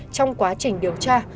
trong quá trình điều tra